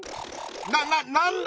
なななんだ